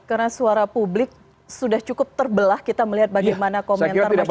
karena suara publik sudah cukup terbelah kita melihat bagaimana komentar masyarakat